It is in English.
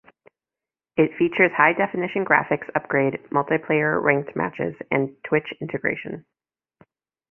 It features high definition graphics upgrade, multiplayer ranked matches, and Twitch integration.